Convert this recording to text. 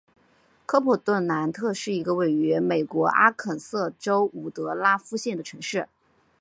科顿普兰特是一个位于美国阿肯色州伍德拉夫县的城市。